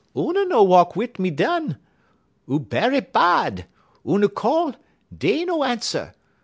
Oona no walk wit' me dun. 'E berry bahd. Oona call, dey no answer.